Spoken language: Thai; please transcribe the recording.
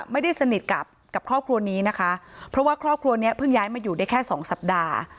ไม่ได้สนิทกับครอบครัวนี้นะคะเพราะว่าครอบครัวเนี้ยเพิ่งย้ายมาอยู่ได้แค่สองสัปดาห์